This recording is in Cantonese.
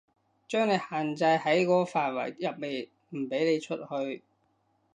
將你限制喺個範圍入面，唔畀你出去